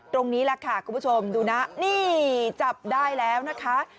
ตรงนี้แหละค่ะคุณผู้ชมดูนะนี่จับได้แล้วนะคะ